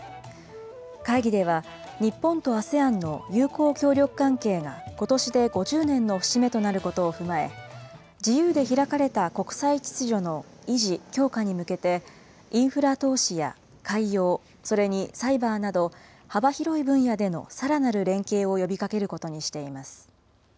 会議では、日本とＡＳＥＡＮの友好協力関係がことしで５０年の節目となることを踏まえ、自由で開かれた国際秩序の維持・強化に向けて、インフラ投資や海洋、それにサイバーなど、幅広い分野でのさらなる連携を呼びかけることにしています。